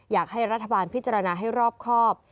อยากให้รัฐบาลพิจารณาให้รอบครอบ